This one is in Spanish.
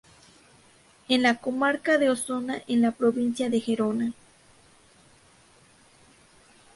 En la comarca de Osona, en la Provincia de Gerona.